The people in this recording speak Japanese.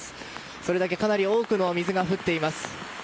それだけかなり多くの水が降っています。